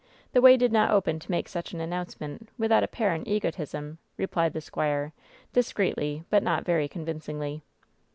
The way did not open to make such an announcement without apparent egotism/* replied the squire, discreetly, but not very convincingly.